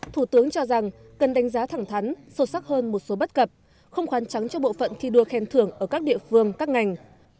thủ tướng cho rằng cần đánh giá thẳng thắn sâu sắc hơn một số bất cập không khoán trắng cho bộ phận thi đua khen thưởng ở các địa phương các ngành